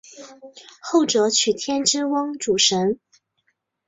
后者娶天之瓮主神。